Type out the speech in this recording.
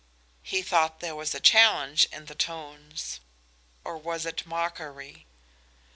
He thought there was a challenge in the tones. Or was it mockery?